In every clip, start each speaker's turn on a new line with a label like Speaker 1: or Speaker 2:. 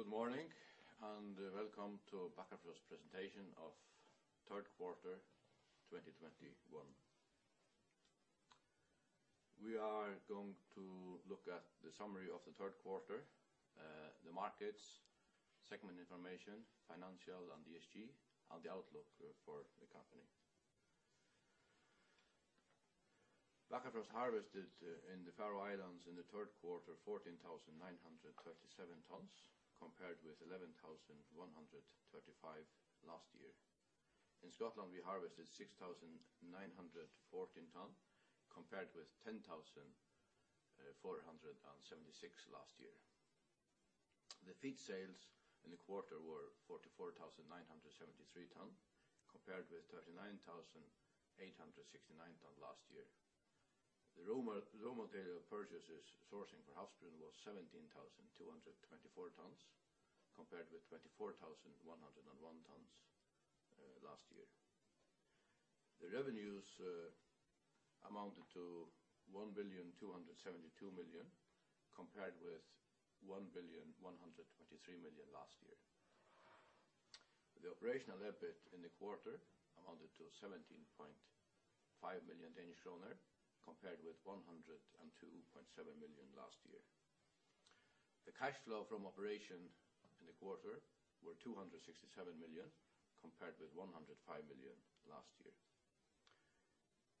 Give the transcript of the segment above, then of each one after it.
Speaker 1: Good morning, and welcome to Bakkafrost presentation of Q3 2021. We are going to look at the summary of the Q3, the markets, segment information, financial and ESG, and the outlook for the company. Bakkafrost harvested in the Faroe Islands in the Q3 14,937 tons, compared with 11,135 last year. In Scotland, we harvested 6,914 ton, compared with ten thousand, four hundred and seventy-six last year. The feed sales in the quarter were 44,973 ton, compared with 39,869 ton last year. The raw material purchases sourcing for Havsbrún was 17,224 tons, compared with 24,101 tons last year. The revenues amounted to 1,272 million, compared with 1,123 million last year. The operational EBIT in the quarter amounted to 17.5 million, compared with 102.7 million last year. The cash flow from operation in the quarter were 267 million, compared with 105 million last year.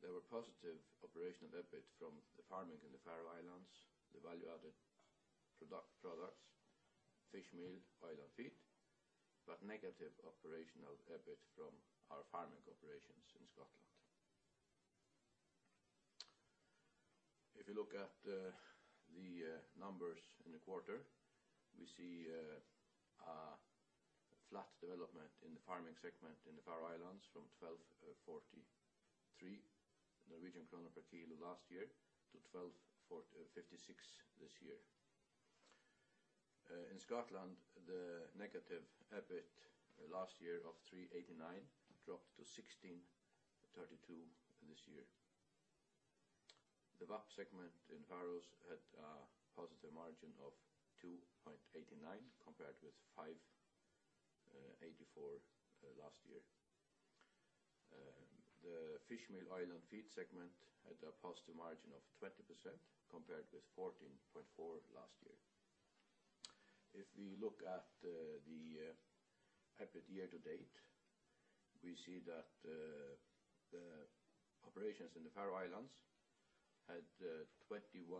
Speaker 1: There were positive operational EBIT from the farming in the Faroe Islands, the value-added products, fish meal, oil, and feed, but negative operational EBIT from our farming operations in Scotland. If you look at the numbers in the quarter, we see a flat development in the farming segment in the Faroe Islands from 12,443 Norwegian krone per kilo last year to 12,456 this year. In Scotland, the negative EBIT last year of -389 dropped to -1,632 this year. The VAP segment in Faroe Islands had a positive margin of 2.89, compared with DKK 5.84 last year. The fish meal, oil, and feed segment had a positive margin of 20% compared with 14.4% last year. If we look at the EBIT year-to-date, we see that the operations in the Faroe Islands had 2,107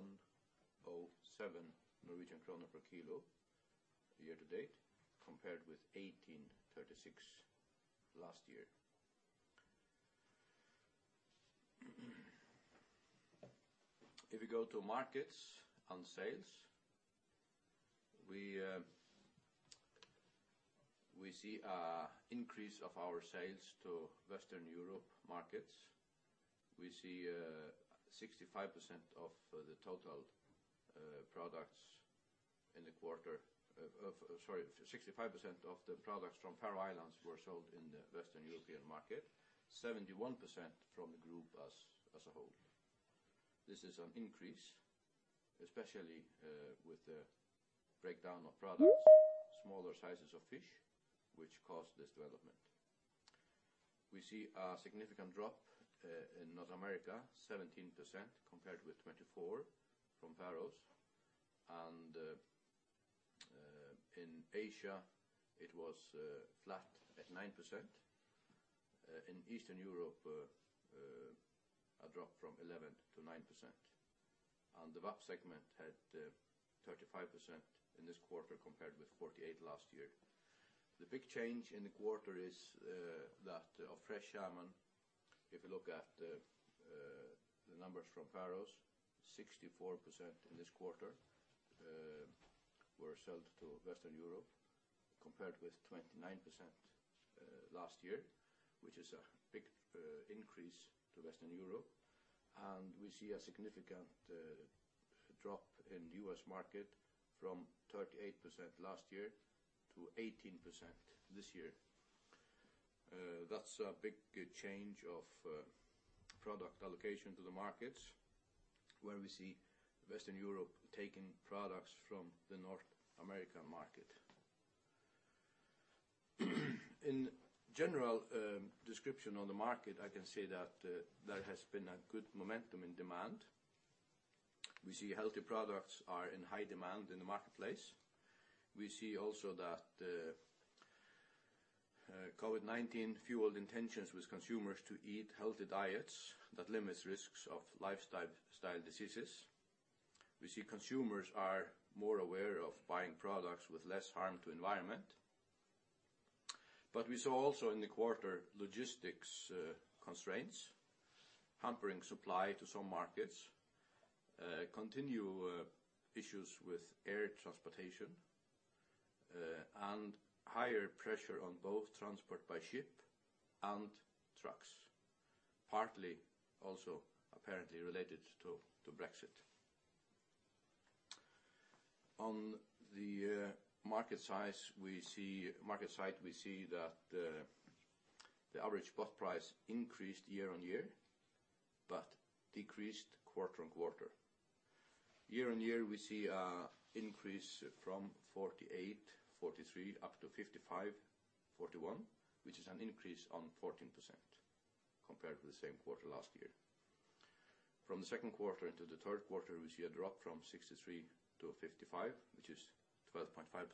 Speaker 1: Norwegian krone per kilo year-to-date, compared with 1,836 last year. If you go to markets and sales, we see an increase of our sales to Western Europe markets. We see 65% of the total products in the quarter. 65% of the products from Faroe Islands were sold in the Western European market, 71% from the group as a whole. This is an increase, especially with the breakdown of products, smaller sizes of fish, which caused this development. We see a significant drop in North America, 17% compared with 24% from Faroes. In Asia, it was flat at 9%. In Eastern Europe, a drop from 11% to 9%. The VAP segment had 35% in this quarter, compared with 48% last year. The big change in the quarter is that of fresh salmon. If you look at the numbers from Faroes, 64% in this quarter were sold to Western Europe, compared with 29% last year, which is a big increase to Western Europe. We see a significant drop in the U.S. market from 38% last year to 18% this year. That's a big change of product allocation to the markets, where we see Western Europe taking products from the North American market. In general, description on the market, I can say that there has been a good momentum in demand. We see healthy products are in high demand in the marketplace. We see also that COVID-19 fueled intentions with consumers to eat healthy diets that limits risks of lifestyle diseases. We see consumers are more aware of buying products with less harm to environment. We saw also in the quarter logistics constraints hampering supply to some markets, continuing issues with air transportation, and higher pressure on both transport by ship and trucks, partly also apparently related to Brexit. On the market side we see that the average spot price increased year-on-year but decreased quarter-on-quarter. Year-on-year, we see an increase from 48.43 up to 55.41, which is an increase of 14% compared to the same quarter last year. From the second quarter into the Q3, we see a drop from 63 to 55, which is 12.5%.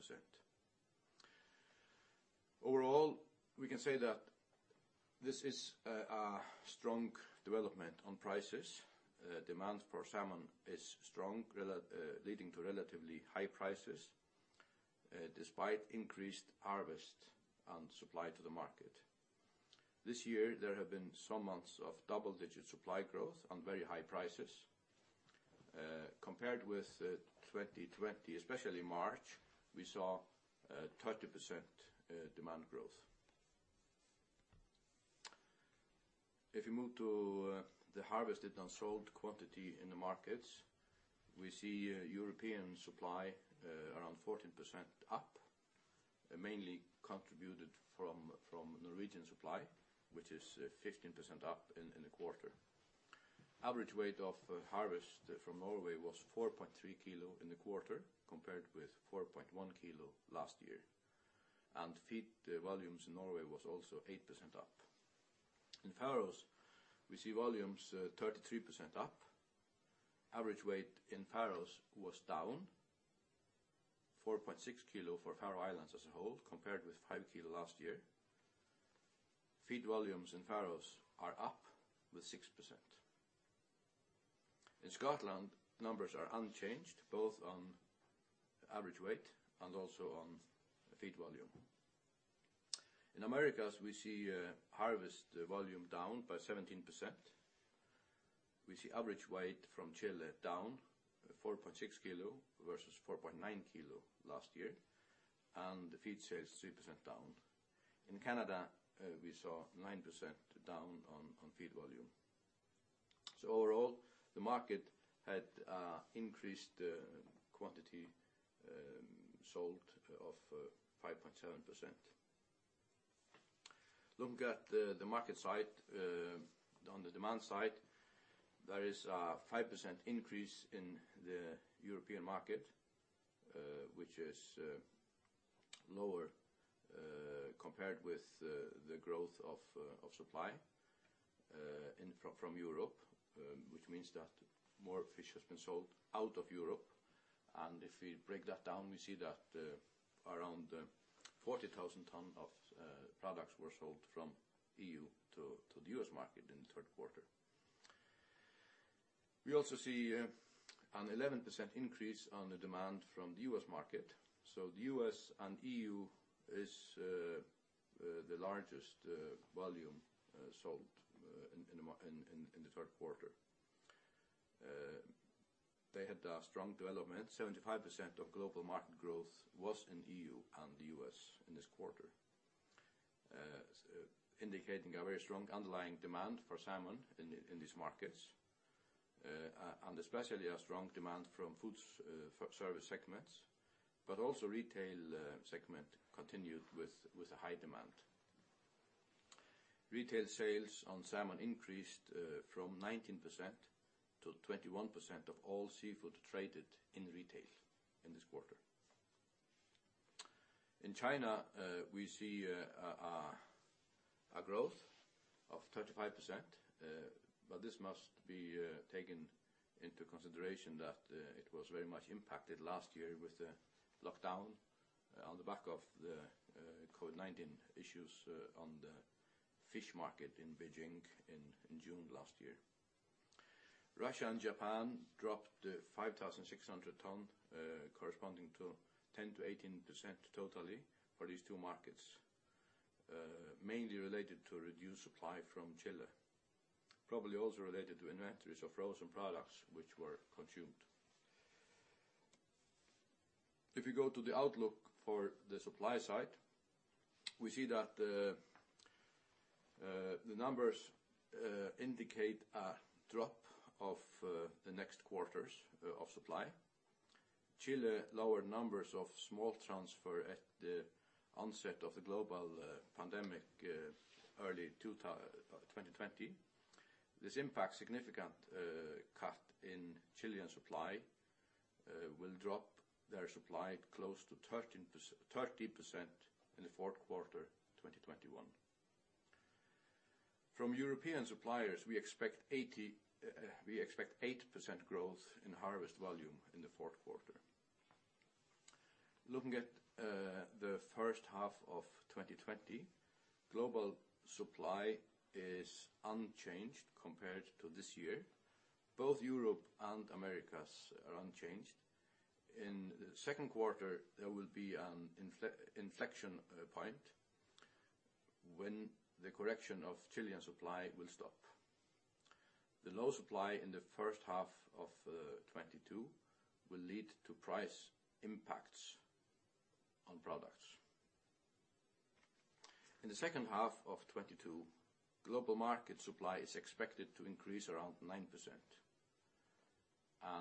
Speaker 1: Overall, we can say that this is a strong development on prices. Demand for salmon is strong, leading to relatively high prices despite increased harvest and supply to the market. This year there have been some months of double-digit supply growth on very high prices. Compared with 2020, especially March, we saw 30% demand growth. If you move to the harvested unsold quantity in the markets, we see European supply around 14% up, mainly contributed from Norwegian supply, which is 15% up in the quarter. Average weight of harvest from Norway was 4.3 kilo in the quarter, compared with 4.1 kilo last year. Feed volumes in Norway was also 8% up. In Faroes, we see volumes 33% up. Average weight in Faroes was down 4.6 kilo for Faroe Islands as a whole, compared with 5 kilo last year. Feed volumes in Faroes are up with 6%. In Scotland, numbers are unchanged, both on average weight and also on feed volume. In the Americas, we see harvest volume down by 17%. We see average weight from Chile down 4.6 kilo versus 4.9 kilo last year, and the feed sales 3% down. In Canada, we saw 9% down on feed volume. Overall, the market had increased quantity sold of 5.7%. Looking at the market side, on the demand side, there is a 5% increase in the European market, which is lower compared with the growth of supply from Europe, which means that more fish has been sold out of Europe. If we break that down, we see that around 40,000 tons of products were sold from EU to the U.S. market in the third quarter. We also see an 11% increase on the demand from the U.S. market. The U.S. and EU is the largest volume sold in the third quarter. They had a strong development. 75% of global market growth was in EU and the U.S. in this quarter, indicating a very strong underlying demand for salmon in these markets, and especially a strong demand from food service segments, but also retail segment continued with a high demand. Retail sales on salmon increased from 19% to 21% of all seafood traded in retail in this quarter. In China, we see a growth of 35%. This must be taken into consideration that it was very much impacted last year with the lockdown on the back of the COVID-19 issues on the fish market in Beijing in June last year. Russia and Japan dropped 5,600 tons corresponding to 10%-18% totally for these two markets mainly related to reduced supply from Chile, probably also related to inventories of frozen products which were consumed. If you go to the outlook for the supply side, we see that the numbers indicate a drop of the next quarters of supply. Chile lowered numbers of smolt transfer at the onset of the global pandemic early 2020. This impact significant cut in Chilean supply will drop their supply close to 30% in the Q4 2021. From European suppliers, we expect 8% growth in harvest volume in the fourth quarter. Looking at the H1 of 2020, global supply is unchanged compared to this year. Both Europe and Americas are unchanged. In the second quarter, there will be an inflection point when the correction of Chilean supply will stop. The low supply in the H1 of 2022 will lead to price impacts on products. In the second half of 2022, global market supply is expected to increase around 9%.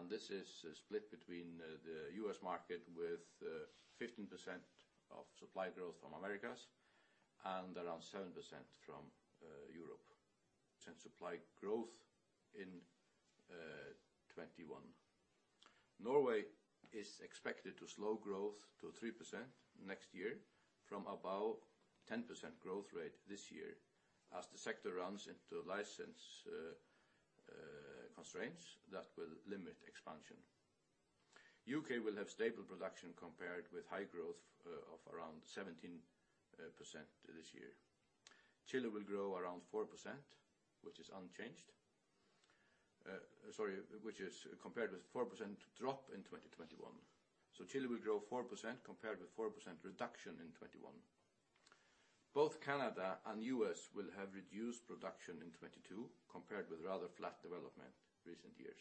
Speaker 1: This is split between the U.S. market with 15% of supply growth from Americas and around 7% from Europe. Since supply growth in 2021. Norway is expected to slow growth to 3% next year from about 10% growth rate this year, as the sector runs into license constraints that will limit expansion. U.K. will have stable production compared with high growth of around 17% this year. Chile will grow around 4%, which is compared with 4% reduction in 2021. Both Canada and U.S. will have reduced production in 2022 compared with rather flat development recent years.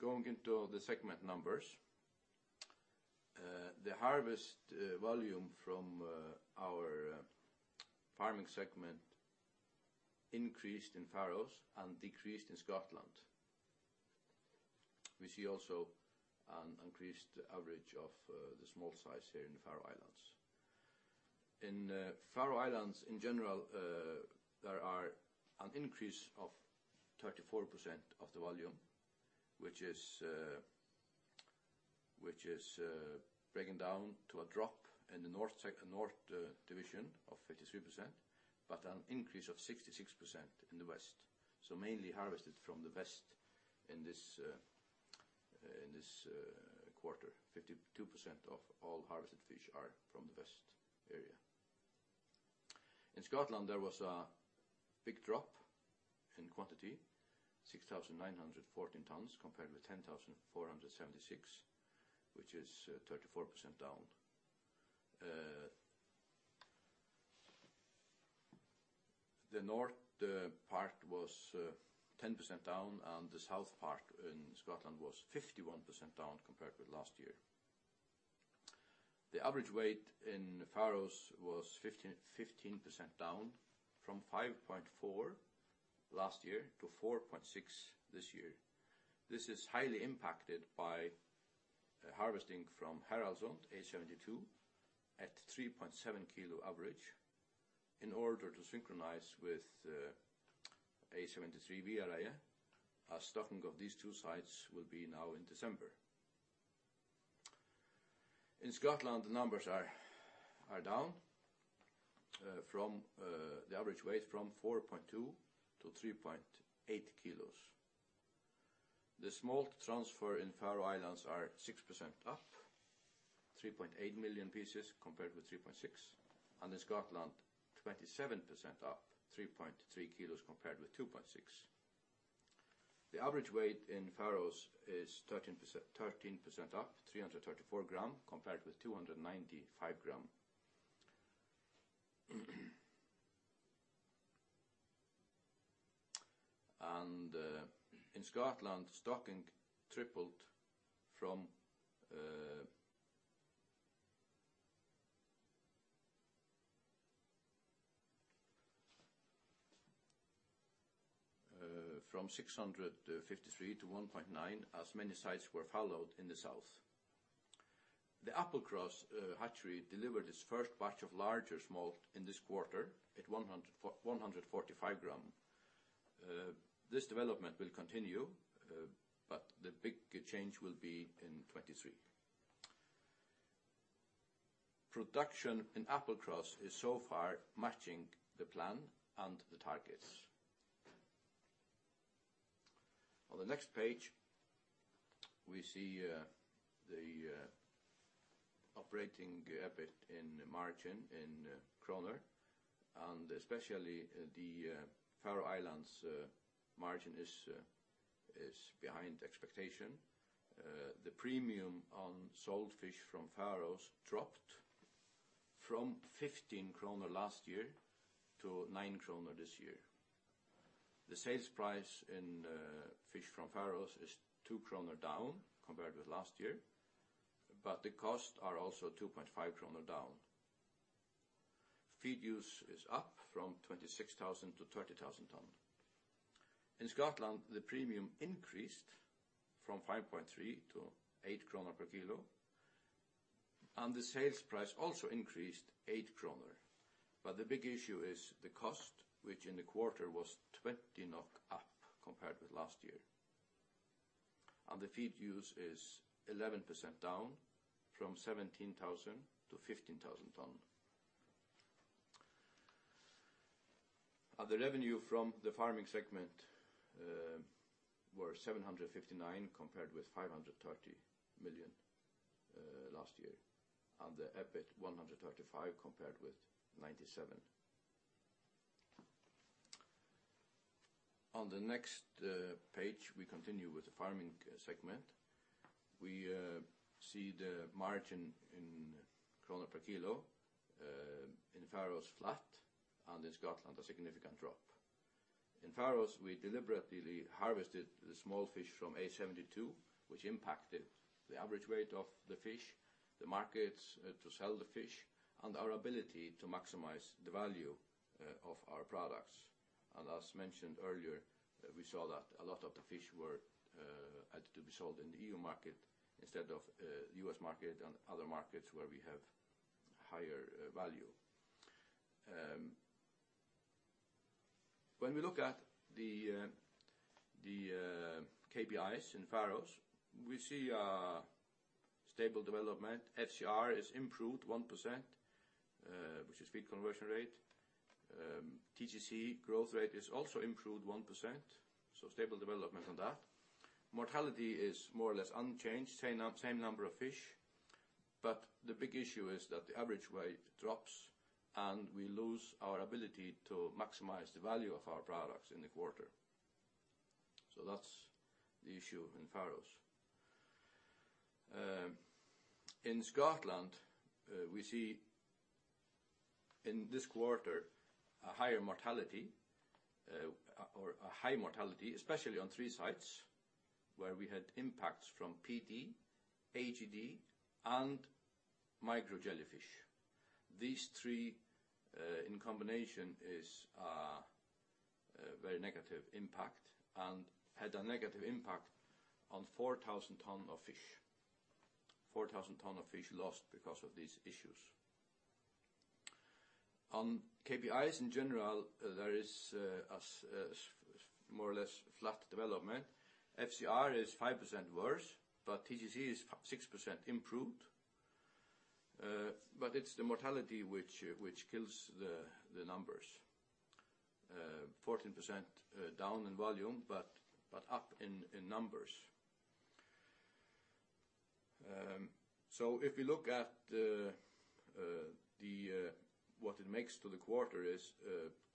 Speaker 1: Going into the segment numbers, the harvest volume from our farming segment increased in Faroe Islands and decreased in Scotland. We see also an increased average of the smolt size here in the Faroe Islands. In Faroe Islands in general, there are an increase of 34% of the volume, which is breaking down to a drop in the North division of 53%, but an increase of 66% in the West. Mainly harvested from the West in this quarter. 52% of all harvested fish are from the West area. In Scotland, there was a big drop in quantity, 6,914 tons compared with 10,476, which is 34% down. The North part was 10% down and the South part in Scotland was 51% down compared with last year. The average weight in Faroe Islands was 15% down from 5.4 last year to 4.6 this year. This is highly impacted by harvesting from Haraldssund A72 at 3.7 kilo average in order to synchronize with A73 Viðareiði. A stocking of these two sites will be now in December. In Scotland, the numbers are down from the average weight from 4.2 to 3.8 kilos. The smolt transfer in Faroe Islands are 6% up, 3.8 million pieces compared with 3.6, and in Scotland, 27% up, 3.3 million compared with 2.6. The average weight in Faroes is 13% up, 334 gram compared with 295 gram. In Scotland, stocking tripled from 653 to 1.9, as many sites were farmed in the South. The Applecross hatchery delivered its first batch of larger smolt in this quarter at 145 grams. This development will continue, but the big change will be in 2023. Production in Applecross is so far matching the plan and the targets. On the next page, we see the operating EBIT and margin in kroner, and especially the Faroe Islands margin is behind expectation. The premium on sold fish from the Faroe Islands dropped from 15 kroner last year to 9 kroner this year. The sales price in fish from the Faroe Islands is 2 kroner down compared with last year, but the costs are also 2.5 kroner down. Feed use is up from 26,000 to 30,000 tons. In Scotland, the premium increased from 5.3 to 8 kroner per kilo, and the sales price also increased 8 kroner. The big issue is the cost, which in the quarter was 20 NOK up compared with last year. The feed use is 11% down from 17,000 to 15,000 tons. The revenue from the farming segment were 759 million compared with 530 million last year. The EBIT 135 compared with 97. On the next page, we continue with the farming segment. We see the margin in kroner per kilo in Faroes flat and in Scotland a significant drop. In Faroes, we deliberately harvested the small fish from A72, which impacted the average weight of the fish, the markets to sell the fish, and our ability to maximize the value of our products. As mentioned earlier, we saw that a lot of the fish were had to be sold in the EU market instead of U.S. market and other markets where we have higher value. When we look at the KPIs in Faroes, we see a stable development. FCR is improved 1%, which is feed conversion rate. TGC growth rate is also improved 1%, so stable development on that. Mortality is more or less unchanged, same number of fish. The big issue is that the average weight drops, and we lose our ability to maximize the value of our products in the quarter. That's the issue in Faroes. In Scotland, we see in this quarter a higher mortality, or a high mortality, especially on 3 sites where we had impacts from PD, AGD, and micro jellyfish. These three in combination is a very negative impact and had a negative impact on 4,000 tons of fish. 4,000 tons of fish lost because of these issues. On KPIs in general, there is a more or less flat development. FCR is 5% worse, but TGC is 6% improved. It's the mortality which kills the numbers. 14% down in volume, but up in numbers. If we look at what it means for the quarter is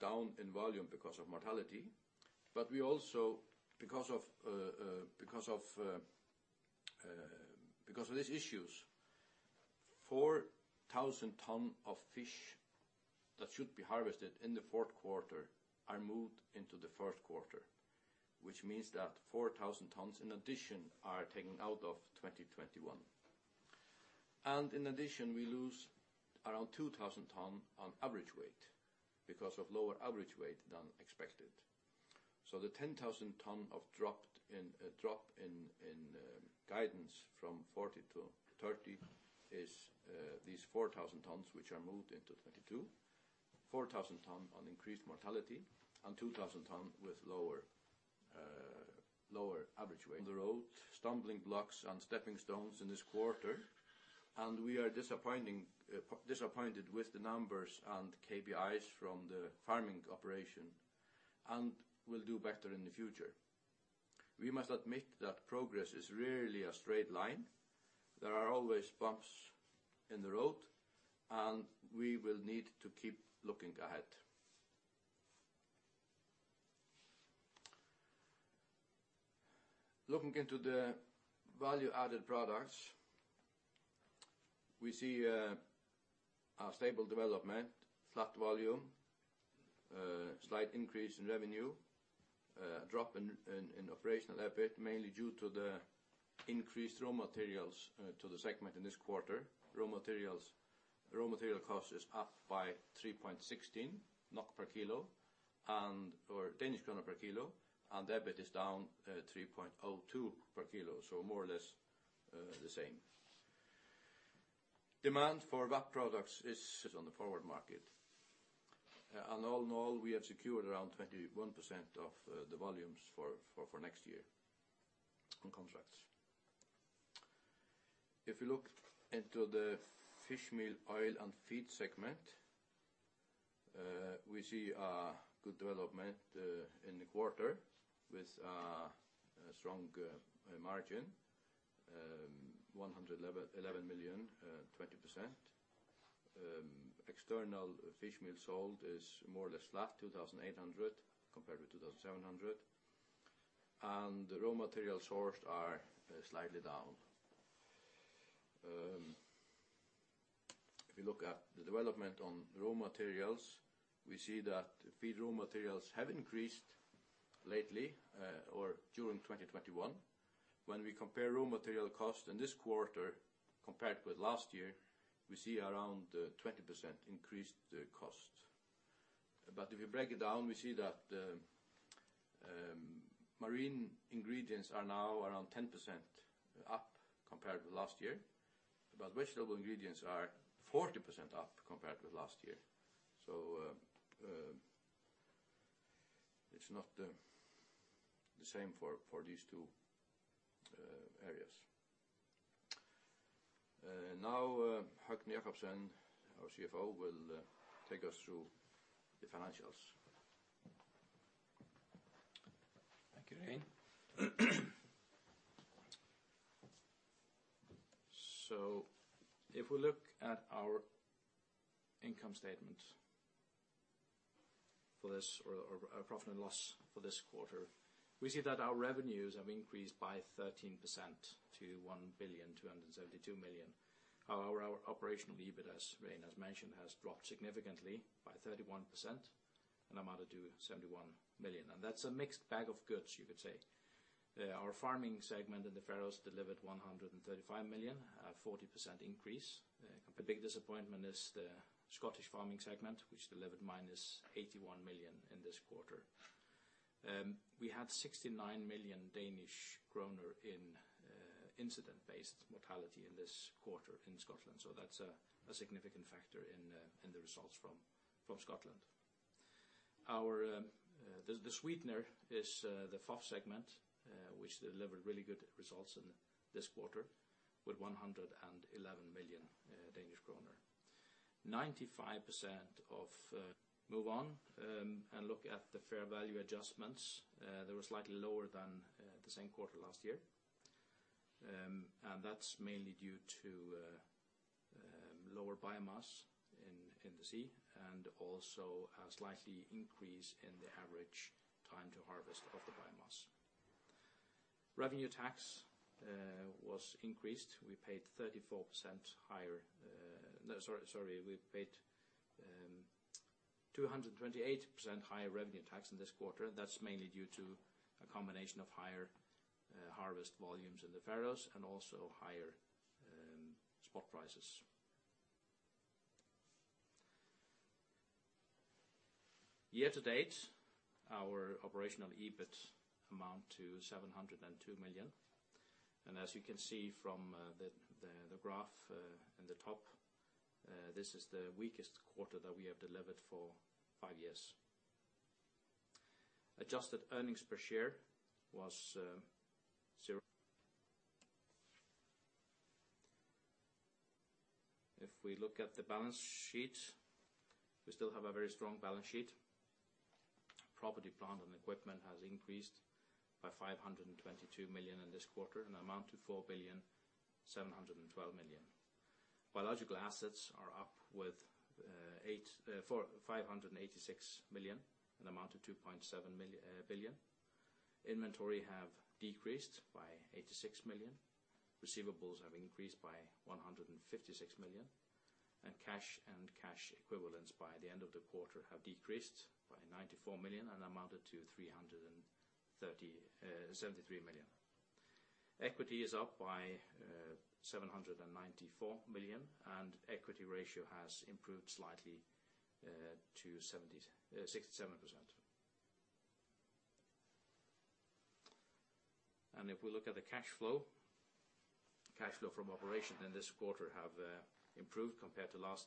Speaker 1: down in volume because of mortality. We also, because of these issues, 4,000 tons of fish that should be harvested in the fourth quarter are moved into the first quarter, which means that 4,000 tons in addition are taken out of 2021. In addition, we lose around 2,000 tons on average weight because of lower average weight than expected. The 10,000-ton drop in guidance from 40 to 30 is these 4,000 tons which are moved into 2022, 4,000 tons on increased mortality, and 2,000 tons with lower average weight. On the road, stumbling blocks and stepping stones in this quarter, and we are disappointed with the numbers and KPIs from the farming operation and will do better in the future. We must admit that progress is rarely a straight line. There are always bumps in the road, and we will need to keep looking ahead. Looking into the value-added products, we see a stable development, flat volume, a slight increase in revenue, a drop in operational EBIT, mainly due to the increased raw materials to the segment in this quarter. Raw material cost is up by 3.16 NOK per kilo or Danish krone per kilo, and EBIT is down 3.02 per kilo, so more or less the same. Demand for VAP products is on the forward market. All in all, we have secured around 21% of the volumes for next year in contracts. If you look into the fishmeal, oil, and feed segment, we see a good development in the quarter with a strong margin, DKK 111 million, 20%. External fishmeal sold is more or less flat, 2,800 compared with 2,700. The raw materials sourced are slightly down. If you look at the development on raw materials, we see that feed raw materials have increased lately or during 2021. When we compare raw material cost in this quarter compared with last year, we see around 20% increased cost. If you break it down, we see that marine ingredients are now around 10% up compared with last year, but vegetable ingredients are 40% up compared with last year. It's not the same for these two areas. Now, Høgni Dahl Jakobsen, our CFO, will take us through the financials.
Speaker 2: Thank you, Regin. If we look at our income statement or our profit and loss for this quarter, we see that our revenues have increased by 13% to 1,272 million. However, our operational EBIT, as Regin has mentioned, has dropped significantly by 31% and amounted to 71 million. That's a mixed bag of goods, you could say. Our farming segment in the Faroes delivered 135 million, a 40% increase. The big disappointment is the Scottish farming segment, which delivered -81 million in this quarter. We had 69 million Danish kroner in incident-based mortality in this quarter in Scotland, so that's a significant factor in the results from Scotland. Our The sweetener is the FOF segment, which delivered really good results in this quarter with DKK 111 million. Move on and look at the fair value adjustments. They were slightly lower than the same quarter last year. That's mainly due to lower biomass in the sea and also a slight increase in the average time to harvest of the biomass. Revenue tax was increased. We paid 228% higher revenue tax in this quarter. That's mainly due to a combination of higher harvest volumes in the Faroes and also higher spot prices. Year to date, our operational EBIT amounts to 702 million. As you can see from the graph in the top, this is the weakest quarter that we have delivered for five years. Adjusted earnings per share was zero. If we look at the balance sheet, we still have a very strong balance sheet. Property, plant, and equipment has increased by 522 million in this quarter and amounts to 4.712 billion. Biological assets are up with 845 million and amount to 2.7 billion. Inventory has decreased by 86 million. Receivables have increased by 156 million. Cash and cash equivalents by the end of the quarter have decreased by 94 million and amounted to 337 million. Equity is up by 794 million, and equity ratio has improved slightly to 67%. If we look at the cash flow, cash flow from operation in this quarter have improved compared to last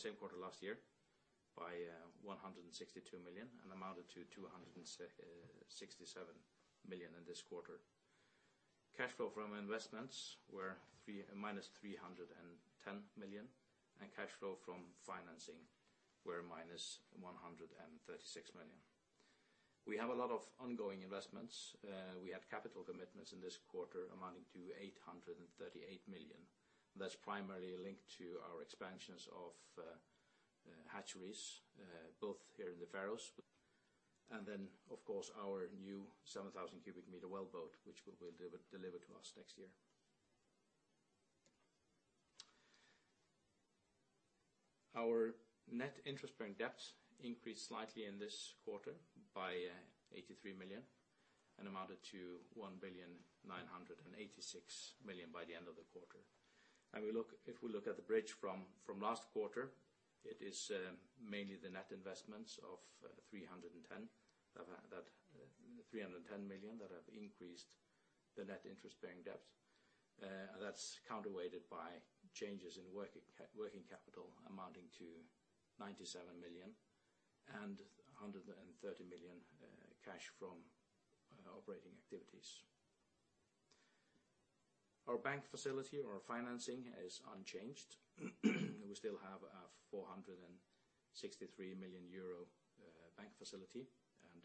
Speaker 2: same quarter last year by 162 million and amounted to 267 million in this quarter. Cash flow from investments were minus 310 million, and cash flow from financing were minus 136 million. We have a lot of ongoing investments. We have capital commitments in this quarter amounting to 838 million. That's primarily linked to our expansions of hatcheries both here in the Faroes and then, of course, our new 7,000 cubic meter wellboat which will be delivered to us next year. Our net interest-bearing debt increased slightly in this quarter by 83 million and amounted to 1,986 million by the end of the quarter. If we look at the bridge from last quarter, it is mainly the net investments of 310 million that have increased the net interest-bearing debt. That's counterweighted by changes in working capital amounting to 97 million and 130 million cash from operating activities. Our bank facility or financing is unchanged. We still have a 463 million euro bank facility and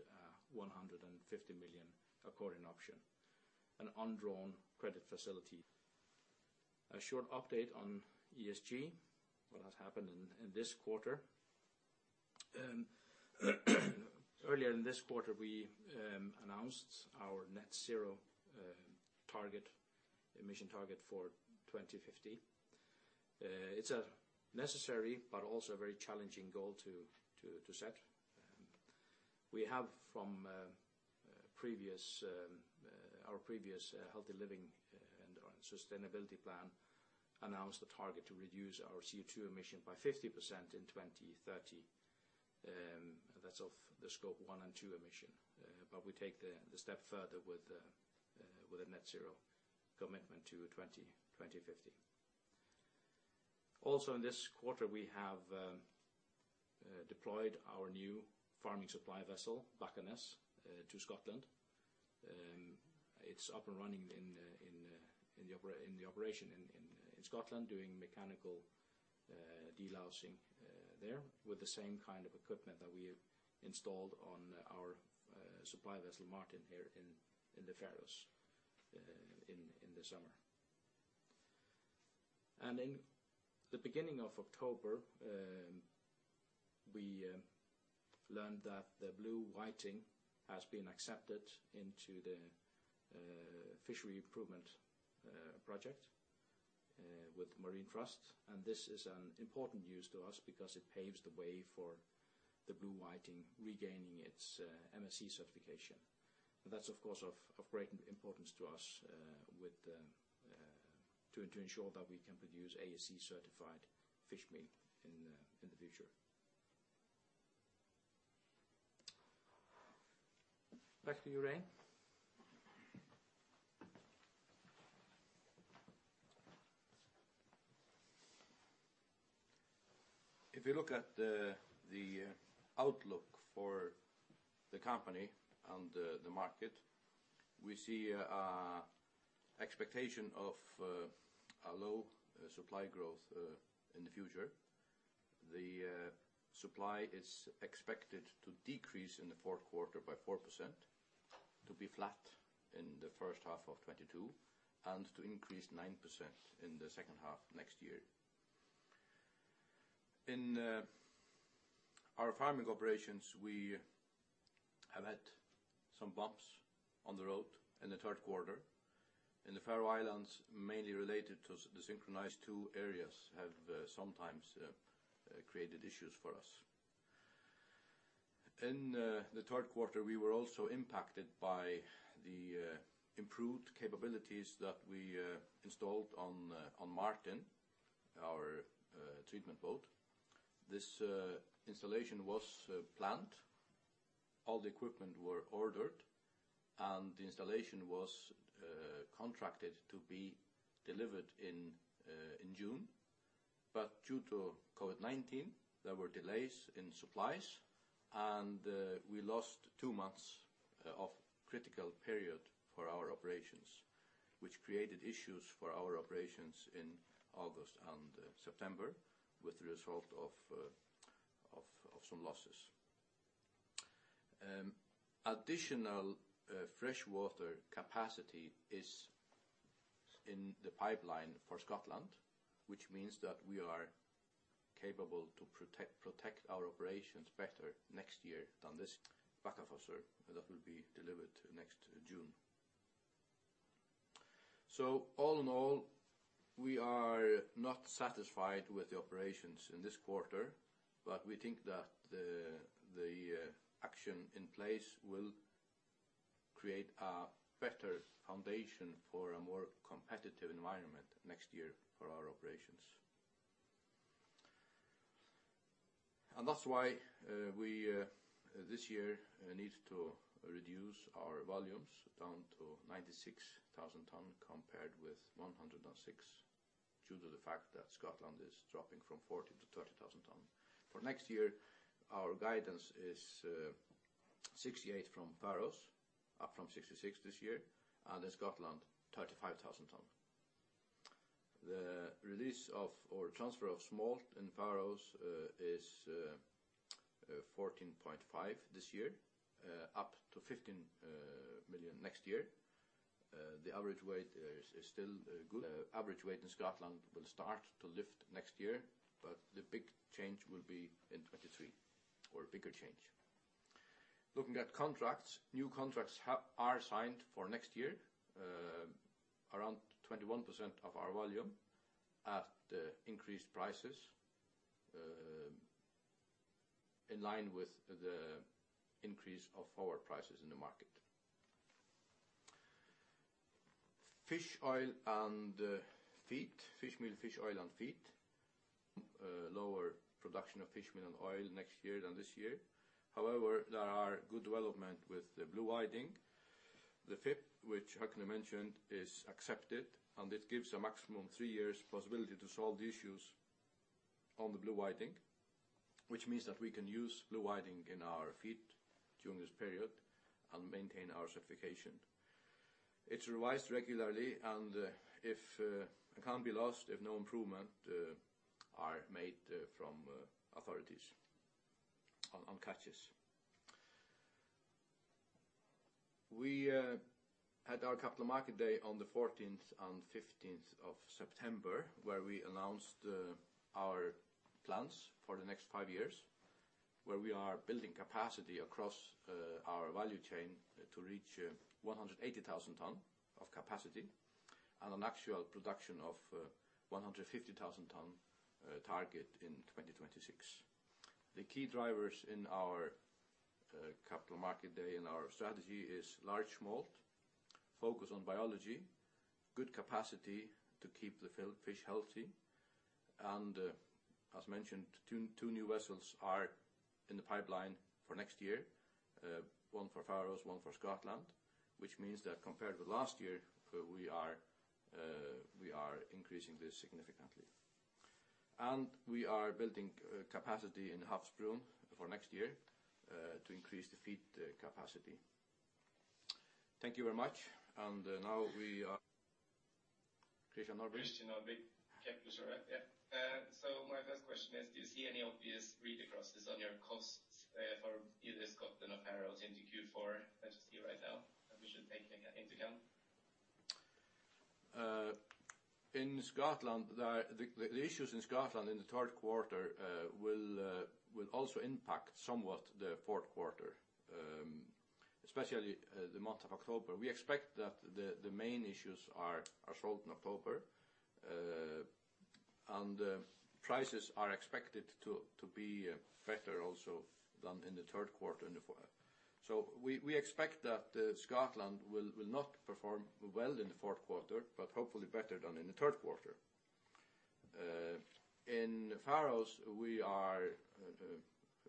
Speaker 2: 150 million accordion option, an undrawn credit facility. A short update on ESG, what has happened in this quarter. Earlier in this quarter, we announced our net zero emission target for 2050. It's a necessary but also a very challenging goal to set. From our previous healthy living and sustainability plan we announced the target to reduce our CO2 emission by 50% in 2030. That's of the Scope 1 and 2 emission. But we take the step further with a net zero commitment to 2050. Also, in this quarter, we have deployed our new farming supply vessel, Bakkanes, to Scotland. It's up and running in the operation in Scotland doing mechanical delousing there with the same kind of equipment that we have installed on our supply vessel, Martin, here in the Faroes in the summer. In the beginning of October, we learned that the blue whiting has been accepted into the fishery improvement project with MarinTrust. This is important news to us because it paves the way for the blue whiting regaining its MSC certification. That's of course of great importance to us to ensure that we can produce ASC certified fishmeal in the future. Back to you, Regin.
Speaker 1: If you look at the outlook for the company and the market, we see expectation of a low supply growth in the future. The supply is expected to decrease in the Q4 by 4%, to be flat in the H1 of 2022, and to increase 9% in the H2 next year. In our farming operations, we have had some bumps on the road in the Q3, in the Faroe Islands, mainly related to the synchronization of the two areas has sometimes created issues for us. In the third quarter, we were also impacted by the improved capabilities that we installed on Martin, our treatment boat. This installation was planned. All the equipment were ordered, and the installation was contracted to be delivered in June. Due to COVID-19, there were delays in supplies, and we lost two months of critical period for our operations, which created issues for our operations in August and September, with the result of some losses. Additional freshwater capacity is in the pipeline for Scotland, which means that we are capable to protect our operations better next year than this. Bakkafossur, that will be delivered next June. All in all, we are not satisfied with the operations in this quarter, but we think that the action in place will create a better foundation for a more competitive environment next year for our operations. That's why this year we need to reduce our volumes down to 96,000 tons compared with 106,000, due to the fact that Scotland is dropping from 40,000-30,000 tons. For next year, our guidance is 68,000 from Faroes, up from 66,000 this year, and in Scotland, 35,000 tons. The release of or transfer of smolt in Faroes is 14.5 this year, up to 15 million next year. The average weight is still good. Average weight in Scotland will start to lift next year, but the big change will be in 2023, or a bigger change. Looking at contracts, new contracts are signed for next year, around 21% of our volume at increased prices, in line with the increase of forward prices in the market. Fish meal, fish oil and feed, lower production of fish meal and oil next year than this year. However, there are good development with the blue whiting. The FIP, which Høgni mentioned, is accepted, and it gives a maximum three years possibility to solve the issues on the blue whiting, which means that we can use blue whiting in our feed during this period and maintain our certification. It's revised regularly, and it can be lost if no improvement are made from authorities on catches. We had our capital market day on the 14th and 15th of September, where we announced our plans for the next five years, where we are building capacity across our value chain to reach 180,000 tons of capacity and an actual production of 150,000 tons target in 2026. The key drivers in our capital market day and our strategy is large smolt, focus on biology, good capacity to keep the fish healthy. As mentioned, two new vessels are in the pipeline for next year, one for Faroes, one for Scotland, which means that compared with last year, we are increasing this significantly. We are building capacity in Havsbrún for next year to increase the feed capacity. Thank you very much. Now Christian Nordby.
Speaker 2: Christian, can't be sorry.
Speaker 3: Question is, do you see any obvious read-acrosses on your costs for either Scotland or Faroes into Q4 as of right now that we should take into account?
Speaker 1: In Scotland, the issues in Scotland in the third quarter will also impact somewhat the Q4, especially the month of October. We expect that the main issues are solved in October. Prices are expected to be better also than in the Q3, in the Q4. We expect that Scotland will not perform well in the Q4, but hopefully better than in the Q3. In Faroes, we are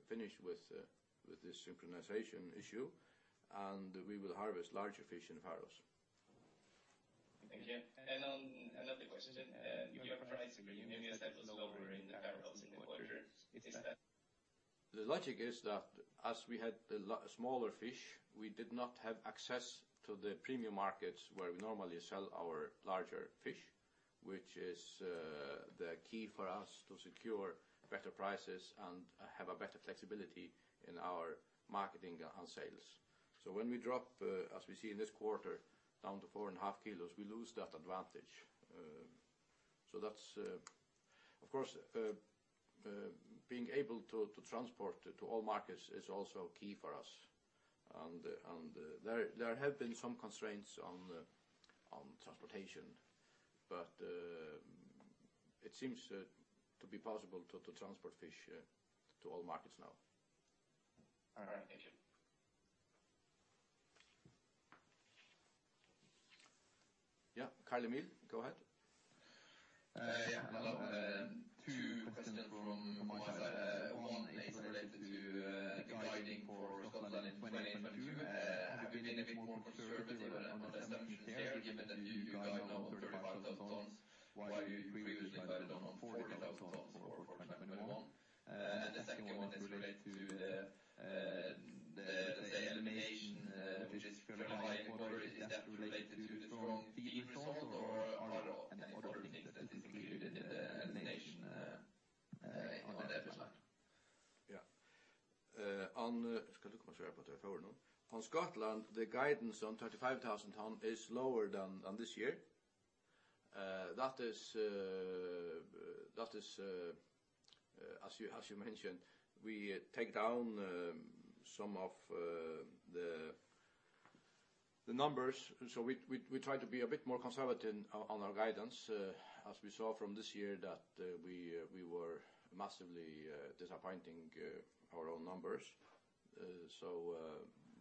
Speaker 1: finished with the synchronization issue, and we will harvest larger fish in Faroes.
Speaker 3: Thank you. Another question. Your price agreement that was lower in the Faroes in the quarter. Is that-
Speaker 1: The logic is that as we had the smaller fish, we did not have access to the premium markets where we normally sell our larger fish, which is the key for us to secure better prices and have a better flexibility in our marketing and sales. When we drop, as we see in this quarter, down to 4.5 kilos, we lose that advantage. That's. Of course, being able to transport to all markets is also key for us. There have been some constraints on transportation, but it seems to be possible to transport fish to all markets now.
Speaker 3: All right. Thank you.
Speaker 1: Yeah. Carl-Emil, go ahead.
Speaker 4: Hello. Two questions from one is related to the guidance for Scotland in 2022. Have you been a bit more conservative on assumptions here given that you guide on 35,000 tons, while you previously guided on 40,000 tons for 2021? The second one is related to the elimination, which is fairly high. Is that related to the strong feed result or are there any other things that is included in the elimination on the appendix?
Speaker 1: Yeah.
Speaker 2: Skal du komme og svare på det her spørsmål nå.
Speaker 1: On Scotland, the guidance on 35,000 tons is lower than this year. That is, as you mentioned, we take down some of the numbers. We try to be a bit more conservative on our guidance. As we saw from this year that we were massively disappointing our own numbers.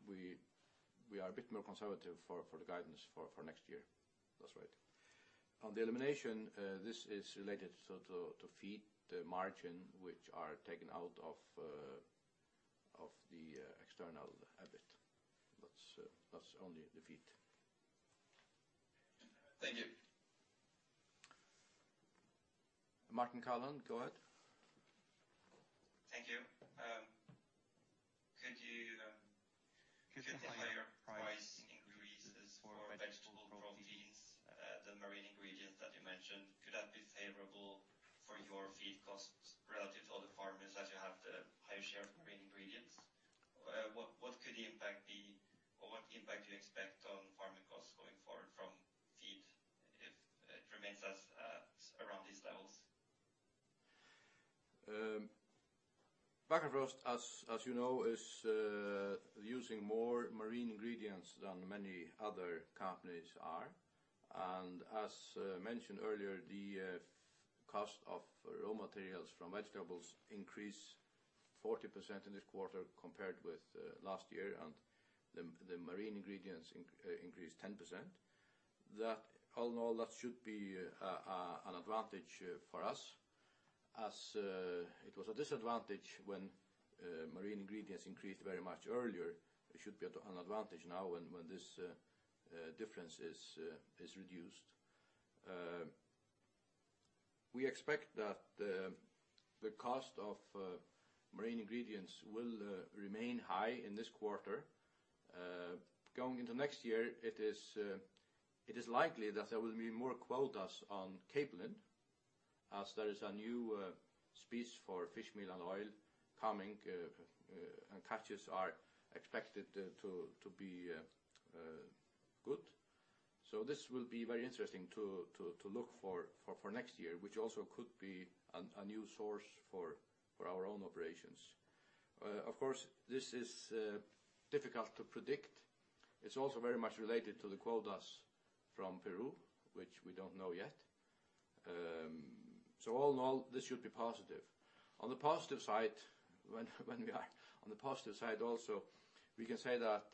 Speaker 1: We are a bit more conservative for the guidance for next year. That's right. On the elimination, this is related to feed margin which are taken out of the external EBIT. That's only the feed.
Speaker 4: Thank you.
Speaker 1: Martin Kaland, go ahead.
Speaker 5: Thank you. Could you highlight price increases for vegetable proteins, the marine ingredients that you mentioned, could that be favorable for your feed costs relative to other farmers as you have the high share of marine ingredients? What could the impact be or what impact do you expect on farming costs going forward from feed if it remains as around these levels?
Speaker 1: Bakkafrost, as you know, is using more marine ingredients than many other companies are. As mentioned earlier, the cost of raw materials from vegetables increased 40% in this quarter compared with last year. The marine ingredients increased 10%. All in all, that should be an advantage for us. As it was a disadvantage when marine ingredients increased very much earlier, it should be an advantage now when this difference is reduced. We expect that the cost of marine ingredients will remain high in this quarter. Going into next year, it is likely that there will be more quotas on capelin as there is a new species for fish meal and oil coming, and catches are expected to be good. This will be very interesting to look for next year, which also could be a new source for our own operations. Of course, this is difficult to predict. It's also very much related to the quotas from Peru, which we don't know yet. All in all, this should be positive. On the positive side, when we are on the positive side also, we can say that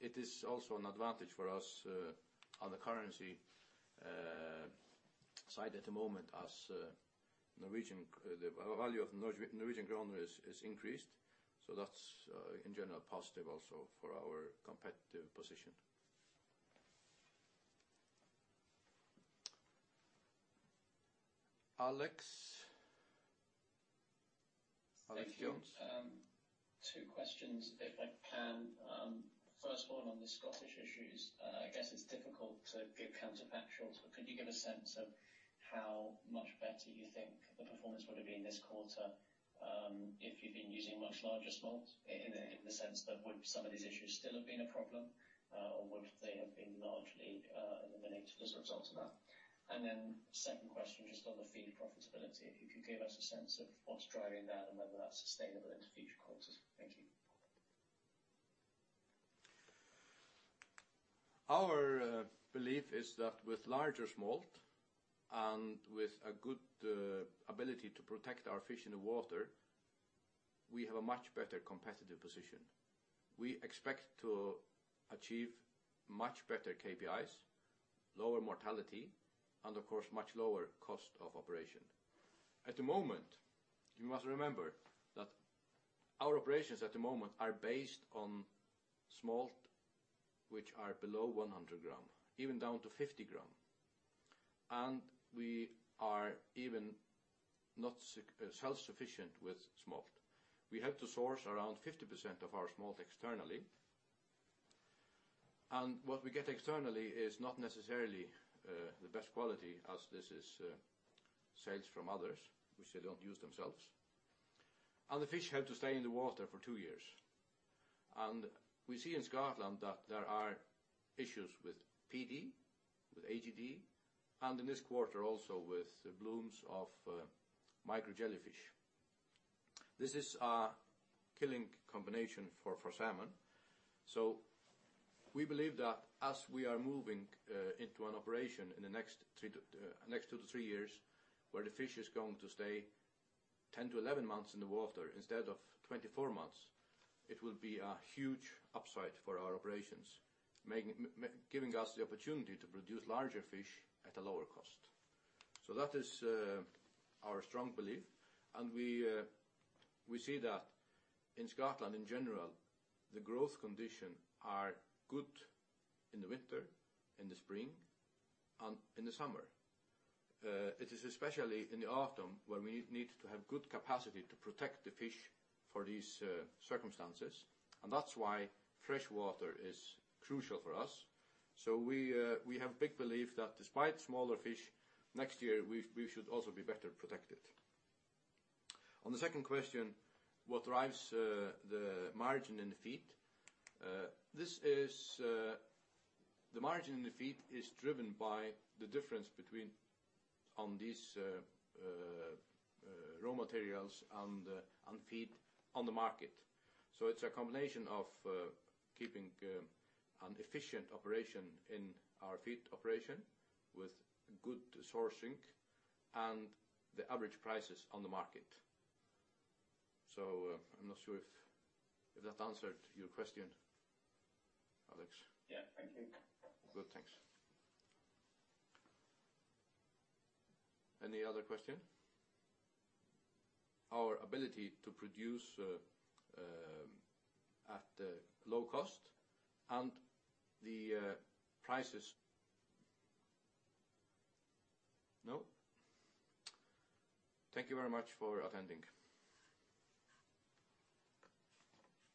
Speaker 1: it is also an advantage for us on the currency side at the moment as the value of Norwegian kroner is increased. That's in general positive also for our competitive position. Alex?
Speaker 6: Thank you. Two questions, if I can. First of all, on the Scottish issues, I guess it's difficult to give counterfactuals, but could you give a sense of how much better you think the performance would have been this quarter, if you'd been using much larger smolt? In the sense that would some of these issues still have been a problem, or would they have been largely eliminated as a result of that? Second question, just on the feed profitability. If you could give us a sense of what's driving that and whether that's sustainable into future quarters. Thank you.
Speaker 1: Our belief is that with larger smolt and with a good ability to protect our fish in the water, we have a much better competitive position. We expect to achieve much better KPIs, lower mortality, and of course, much lower cost of operation. At the moment, you must remember that our operations at the moment are based on smolt, which are below 100 gram, even down to 50 gram. We are not even self-sufficient with smolt. We have to source around 50% of our smolt externally. What we get externally is not necessarily the best quality as this is sales from others, which they don't use themselves. The fish have to stay in the water for two years. We see in Scotland that there are issues with PD, with AGD, and in this quarter also with blooms of micro jellyfish. This is a killing combination for salmon. We believe that as we are moving into an operation in the next 2-3 years, where the fish is going to stay 10-11 months in the water instead of 24 months, it will be a huge upside for our operations, giving us the opportunity to produce larger fish at a lower cost. That is our strong belief. We see that in Scotland in general, the growth condition are good in the winter, in the spring, and in the summer. It is especially in the autumn where we need to have good capacity to protect the fish for these circumstances. That's why fresh water is crucial for us. We have big belief that despite smaller fish, next year, we should also be better protected. On the second question, what drives the margin in the feed? This is the margin in the feed is driven by the difference between on these raw materials and feed on the market. It's a combination of keeping an efficient operation in our feed operation with good sourcing and the average prices on the market. I'm not sure if that answered your question, Alex.
Speaker 6: Yeah. Thank you.
Speaker 1: Good. Thanks. Any other question? Our ability to produce at low cost and the prices. No? Thank you very much for attending.